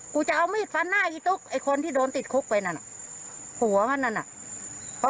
กูจะเอามีดฟันหน้าอีตุ๊กไอ้คนที่โดนติดคุกไปนั่นน่ะผัวมันนั่นน่ะ